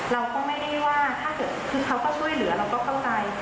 เราก็ไม่ได้ว่าถ้าเกิดคือเขาก็ช่วยเหลือเราก็เข้าใจ